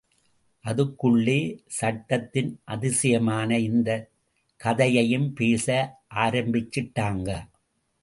அதுக்குள்ளே சட்டத்தின் அதிசயமான இந்தக் கதையையும் பேச ஆரம்பிச்சிட்டாங்க.